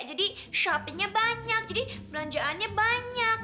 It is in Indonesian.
jadi shoppingnya banyak jadi belanjaannya banyak